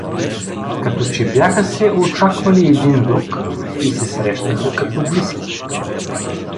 Като че бяха се очаквали един друг и се срещаха като близки.